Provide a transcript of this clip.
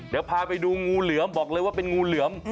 เดี๋ยวพาไปดูงูเหลือมบอกเลยว่าเป็นงูเหลือม